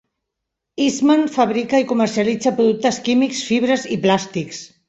Eastman fabrica i comercialitza productes químics, fibres i plàstics.